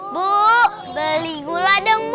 bu beli gula dong